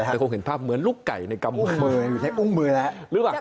แต่คงเห็นภาพเหมือนลูกไก่ในกำมืออุ้งมือแล้ว